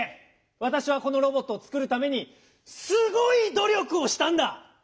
わたしはこのロボットをつくるためにすごいど力をしたんだ！